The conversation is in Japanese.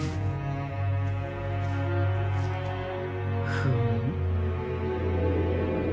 フム？